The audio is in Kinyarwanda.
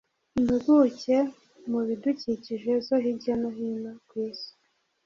impuguke mu bidukikije zo hirya no hino ku isi